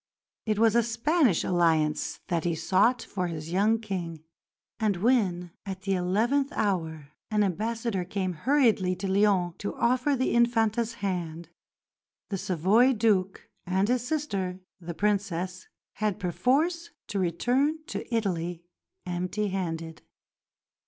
It was a Spanish alliance that he sought for his young King; and when, at the eleventh hour, an ambassador came hurriedly to Lyons to offer the Infanta's hand, the Savoy Duke and his sister, the Princess, had perforce to return to Italy "empty handed."